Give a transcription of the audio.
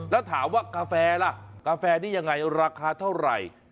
แล้วถามว่ากาแฟล่ะกาแฟนี่ยังไงราคาเท่าไหร่